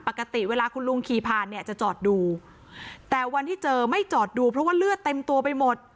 ปกติเวลาคุณลุงขี่ผ่านเนี่ยจะจอดดูแต่วันที่เจอไม่จอดดูเพราะว่าเลือดเต็มตัวไปหมด